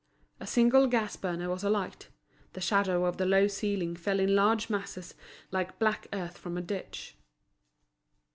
A single gas burner was alight—the shadow of the low ceiling fell in large masses, like black earth from a ditch.